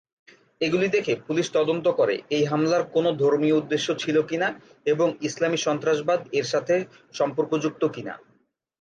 এগুলি দেখে পুলিশ তদন্ত করে এই হামলার কোন ধর্মীয় উদ্দেশ্য ছিল কিনা এবং ইসলামি সন্ত্রাসবাদ এর সাথে সম্পর্কযুক্ত কিনা।